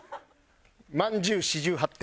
「まんじゅう四十八手」。